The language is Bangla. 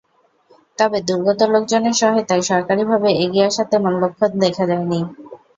তবে দুর্গত লোকজনের সহায়তায় সরকারিভাবে এগিয়ে আসার তেমন লক্ষণ দেখা যায়নি।